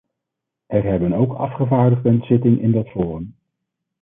Er hebben ook afgevaardigden zitting in dat forum.